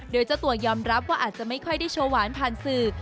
โดยเจ้าตัวยอมรับว่าอาจจะไม่ค่อยได้โชว์หวานผ่านสื่อ